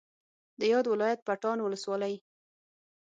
د یاد ولایت پټان ولسوالۍ